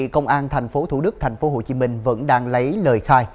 công an tp thủ đức tp hcm vẫn đang lấy lời khai